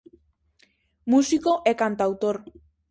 Músico e cantautor.